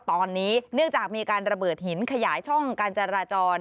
ตอนนี้เนื่องจากมีการระเบิดหินขยายช่องการจราจร